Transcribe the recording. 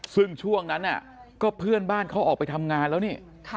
ซึ่งช่วงนั้นก็เพื่อนบ้านเขาออกไปทำงานแล้วนี่